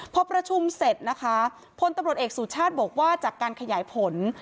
พอประชุมเสร็จนะคะพลตำรวจเอกสุชาติบอกว่าจากการขยายผล